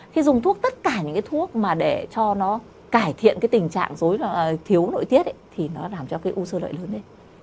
khi dùng thuốc tất cả những cái thuốc mà để cho nó cải thiện cái tình trạng dối là thiếu nội tiết thì nó làm cho cái u sơ lợi lớn lên